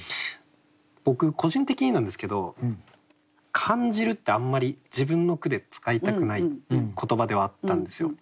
僕個人的になんですけど「感じる」ってあんまり自分の句で使いたくない言葉ではあったんですよ。